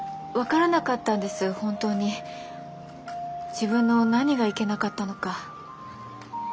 自分の何がいけなかったのか。